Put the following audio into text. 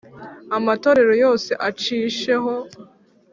amatorero yose acisheho